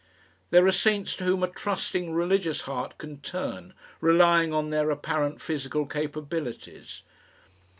There are saints to whom a trusting religious heart can turn, relying on their apparent physical capabilities.